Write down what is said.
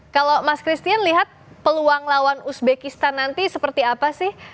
kalau mas christine lihat peluang lawan uzbekistan nanti seperti apa sih